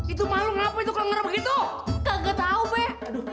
itu malu ngapain begitu